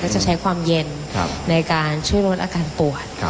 จะใช้ความเย็นในการช่วยลดอาการปวด